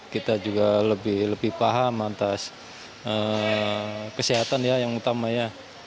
kita juga lebih paham antara kesehatan yang utamanya